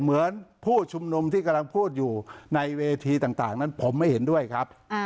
เหมือนผู้ชุมนุมที่กำลังพูดอยู่ในเวทีต่างนั้นผมไม่เห็นด้วยครับ